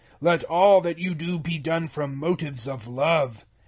016:014 Let all that you do be done from motives of love.